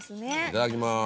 いただきます。